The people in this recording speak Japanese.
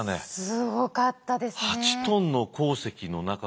すごかったですね。